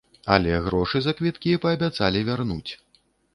Але грошы за квіткі паабяцалі вярнуць.